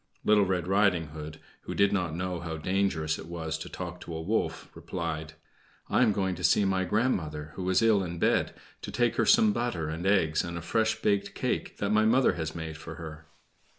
Little Red Riding Hood, who did not know how dangerous it was to talk to a wolf, replied: "I am going to see my grandmother, who is ill in bed, to take her some butter and eggs and a fresh baked cake that my mother has made for her!"